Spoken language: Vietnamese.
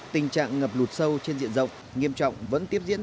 tình trạng ngập lụt sâu trên diện rộng nghiêm trọng vẫn tiếp diễn